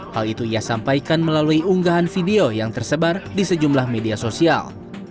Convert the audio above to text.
hal itu ia sampaikan melalui unggahan video yang tersebar di sejumlah media sosial